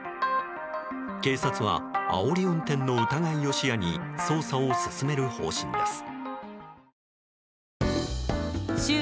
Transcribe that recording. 警察はあおり運転の疑いを視野に捜査を進める方針です。